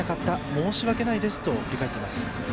申し訳ないですと振り返っています。